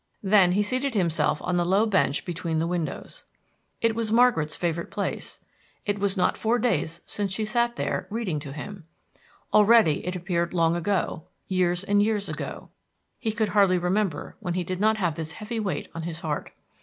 Then he seated himself on the low bench between the windows. It was Margaret's favorite place; it was not four days since she sat there reading to him. Already it appeared long ago, years and years ago. He could hardly remember when he did not have this heavy weight on his heart.